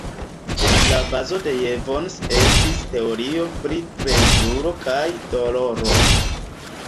La bazo de Jevons estis teorio pri plezuro kaj doloro.